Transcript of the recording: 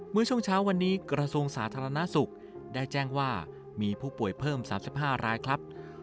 เมื่อช่วงเช้าวันนี้กระทรวงสาธารณสุขได้แจ้งว่ามีผู้ป่วยเพิ่ม๓๕รายครับ